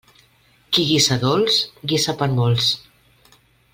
Qui guisa dolç, guisa per a molts.